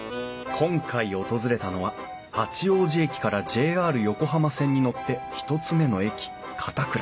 今回訪れたのは八王子駅からＪＲ横浜線に乗って１つ目の駅片倉。